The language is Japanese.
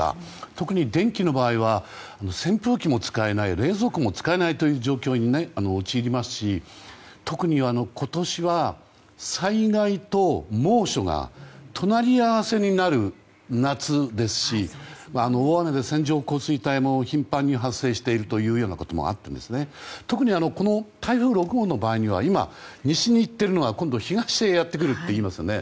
特に電気の場合は扇風機も使えない冷蔵庫も使えないという状況に陥りますし特に今年は災害と猛暑が隣り合わせになる夏ですし大雨で線状降水帯も頻繁に発生していることもあって特に台風６号の場合には西に行っているのが今度、東へやってくるって言いますよね。